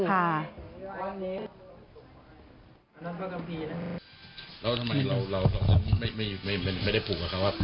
แล้วทำไมเราไม่ได้ผูกกับเขาครับ